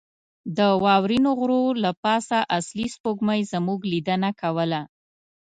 د واورینو غرو له پاسه اصلي سپوږمۍ زموږ لیدنه کوله.